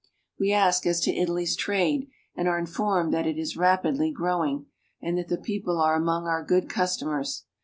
We ask as to Italy's trade, and are informed that it is rapidly growing, and that the people are among our good customers.